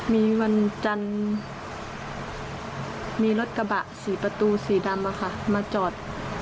มีวันจันทร์มีรถกระบะ๔ประตูสีดำมาจอด